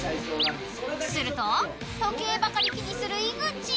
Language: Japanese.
すると時計ばかり気にする井口。